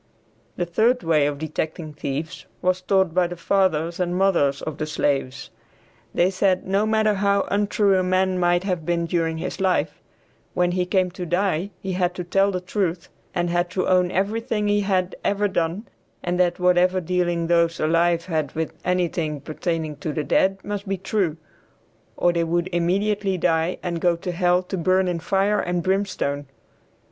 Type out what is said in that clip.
The third way of detecting thieves was taught by the fathers and mothers of the slaves. They said no matter how untrue a man might have been during his life, when he came to die he had to tell the truth and had to own everything he had ever done, and whatever dealing those alive had with anything pertaining to the dead, must be true, or they would immediately die and go to hell to burn in fire and brimstone.